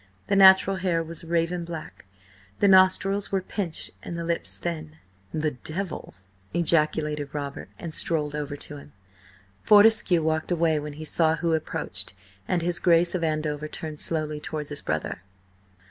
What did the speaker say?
The natural hair was raven black, the nostrils were pinched and the lips thin. "The Devil!" ejaculated Robert, and strolled over to him. Fortescue walked away when he saw who approached, and his Grace of Andover turned slowly towards his brother.